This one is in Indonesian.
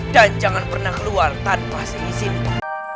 dan jangan pernah keluar tanpa seizinku